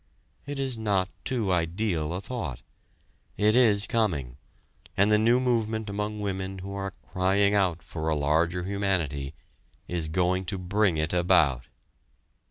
It is not too ideal a thought. It is coming, and the new movement among women who are crying out for a larger humanity, is going to bring it about.